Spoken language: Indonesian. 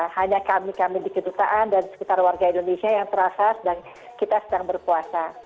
hanya kami kami di kedutaan dan sekitar warga indonesia yang terasa kita sedang berpuasa